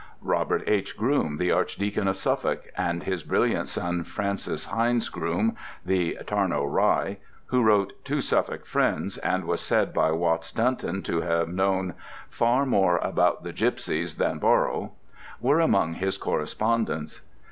Robert H. Groome, the archdeacon of Suffolk, and his brilliant son, Francis Hindes Groome, the "Tarno Rye" (who wrote "Two Suffolk Friends" and was said by Watts Dunton to have known far more about the gipsies than Borrow) were among his correspondents.